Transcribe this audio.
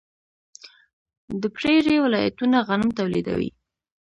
د پریري ولایتونه غنم تولیدوي.